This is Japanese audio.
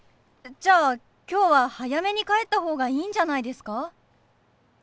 じゃあ今日は早めに帰った方がいいんじゃないですか？